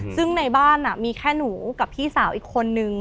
ซึ่งในบ้านมีแค่หนูกับพี่สาวอีกคนนึง